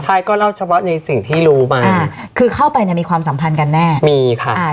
ใช่ก็เล่าเฉพาะในสิ่งที่รู้มาอ่าคือเข้าไปเนี่ยมีความสัมพันธ์กันแน่มีค่ะอ่า